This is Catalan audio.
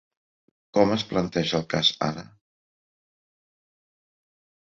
Com es planteja el cas ara?